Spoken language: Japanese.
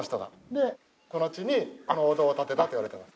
でこの地にこのお堂を建てたといわれています。